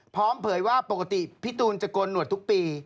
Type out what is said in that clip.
เผยว่าปกติพี่ตูนจะโกนหนวดทุกปี